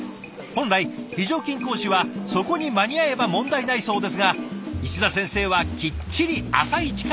本来非常勤講師はそこに間に合えば問題ないそうですが石田先生はきっちり朝一から出勤。